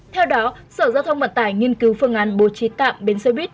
theo đó sở giao thông vận tải nghiên cứu phương án bố trí tạm biến xe buýt